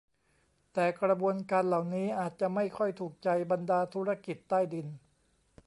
แต่กระบวนการเหล่านี้อาจจะไม่ค่อยถูกใจบรรดาธุรกิจใต้ดิน